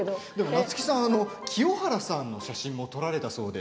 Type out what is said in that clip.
夏木さんは清原さんの写真も撮られたそうで。